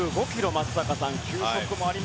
松坂さん。